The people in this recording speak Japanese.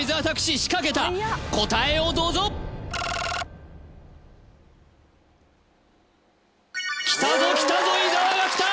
仕掛けた答えをどうぞきたぞきたぞ伊沢がきた！